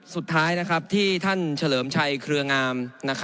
สุดท้ายที่ท่านเฉลิมชัยเครืองาม